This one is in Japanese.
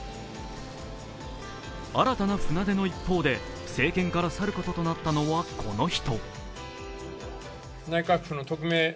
新たな船出の一方で、政権から去ることとなったのはこの人。